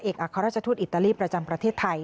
อัครราชทูตอิตาลีประจำประเทศไทย